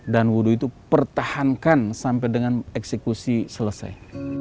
dan wudhu itu pertahankan sampai dengan eksekusi selesai